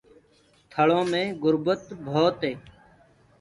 ٿݪو مي گُربت ڀوت هي